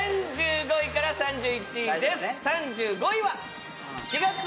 ３５位から３１位です